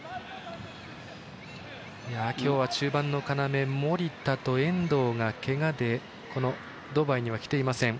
今日は中盤の要守田と遠藤が、けがでドバイには来ていません